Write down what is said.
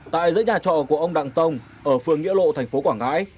tại giữa nhà trọ của ông đặng tông ở phường nghĩa lộ tp quảng ngãi